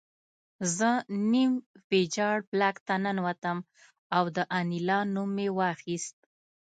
زه نیم ویجاړ بلاک ته ننوتم او د انیلا نوم مې واخیست